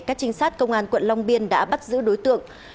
các trinh sát công an quận long biên đã bắt giữ đối tượng